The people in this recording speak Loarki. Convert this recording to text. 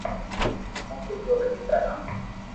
ڪونڪھ جو ھري ڪا نام